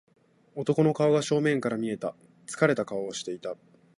男の顔が正面から見えた。疲れた顔をしていた。